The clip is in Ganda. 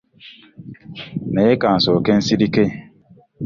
Naye ka nsooke nsirike.